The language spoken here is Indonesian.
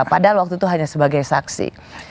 padahal waktu itu hanya sebagai saksi